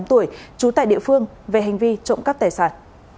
một mươi tám tuổi trú tại địa phương về hành vi trộm cắp tài sản